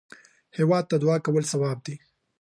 هېواد ته دعا کول ثواب دی